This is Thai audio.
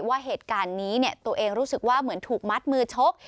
ว่าเหตุการณ์นี้ตัวเองรู้สึกว่าเหมือนถูกมัดมือชก